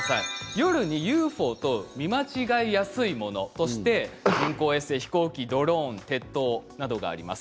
夜にＵＦＯと見間違いやすいものとして人工衛星、飛行機、ドローン鉄塔などがあります。